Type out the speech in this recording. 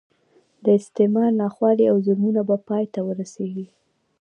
د استعمار ناخوالې او ظلمونه به پای ته ورسېږي.